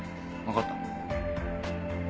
分かった？